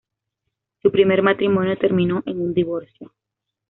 Su primer matrimonio terminó en un divorcio.